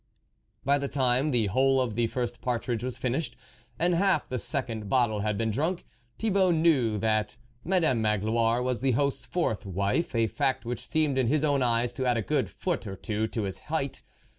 By the time the whole of the first par tridge was finished, and half the second bottle had been drunk, Thibault knew that Madame Magloire was the host's fourth wife, a fact which seemed in his own eyes to add a good foot or two to his height.